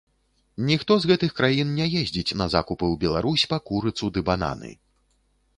Ніхто з гэтых краін не ездзіць на закупы ў Беларусь па курыцу ды бананы.